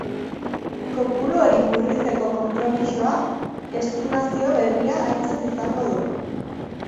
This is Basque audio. Kopuru hori murrizteko konpromisoa estimazio berria aintzat izango du.